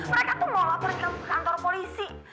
mereka tuh mau lapor ke kantor polisi